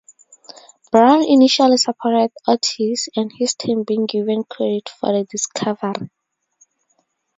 Brown initially supported Ortiz and his team being given credit for the discovery.